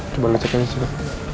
coba lu ceknya disini